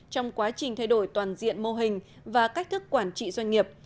trong quá trình thay đổi toàn diện mô hình và cách thức quản trị doanh nghiệp